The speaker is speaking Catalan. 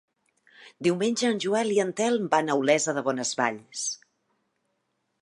Diumenge en Joel i en Telm van a Olesa de Bonesvalls.